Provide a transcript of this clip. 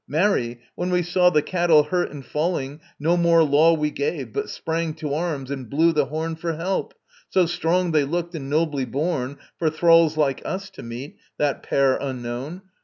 Marry, when we saw The cattle hurt and falling, no more law We gave, but sprang to arms and blew the horn For help so strong they looked and nobly born For thralls like us to meet, that pair unknown.